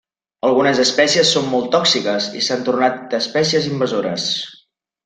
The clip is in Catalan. Algunes espècies són molt tòxiques i s'han tornat espècies invasores.